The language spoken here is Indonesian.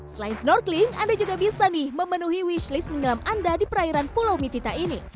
selain snorkeling anda juga bisa nih memenuhi wishlist menyelam anda di perairan pulau mitita ini